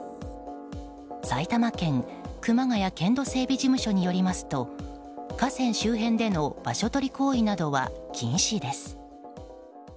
埼玉県熊谷県土整備事務所によりますと河川周辺での場所取り行為などは禁止です。